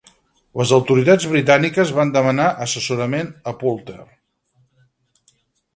Les autoritats britàniques van demanar assessorament a Poulter.